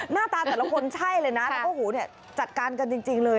หน้าตาแต่ละคนใช่เลยนะแล้วก็หูเนี่ยจัดการกันจริงเลย